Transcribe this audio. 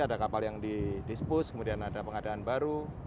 ada kapal yang di dispus kemudian ada pengadaan baru